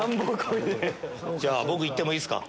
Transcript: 僕行ってもいいですか？